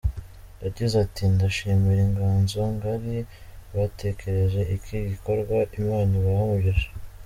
Yagize ati : “Ndashimira Inganzo Ngari batekereje iki gikorwa, Imana ibahe umugisha.